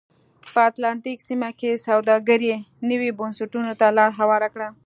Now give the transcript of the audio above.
په اتلانتیک سیمه کې سوداګرۍ نویو بنسټونو ته لار هواره کړه.